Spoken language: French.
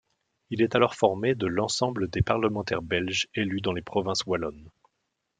Il est alors formé de l'ensemble des parlementaires belges élus dans les provinces wallonnes.